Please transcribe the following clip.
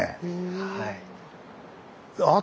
はい。